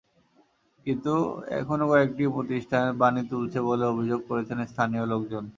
কিন্তু এখনো কয়েকটি প্রতিষ্ঠান পানি তুলছে বলে অভিযোগ করেছেন স্থানীয় লোকজন।